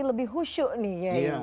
lebih husu' nih